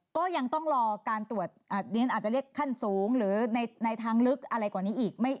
ก็ยังต้องรอการตรวจดิฉันอาจจะเรียกขั้นสูงหรือในทางลึกอะไรกว่านี้อีก